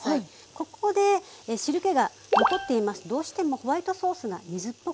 ここで汁けが残っていますとどうしてもホワイトソースが水っぽくなります。